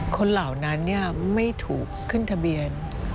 เหล่านั้นไม่ถูกขึ้นทะเบียน